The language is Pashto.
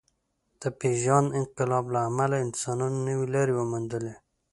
د پېژاند انقلاب له امله انسانانو نوې لارې وموندلې.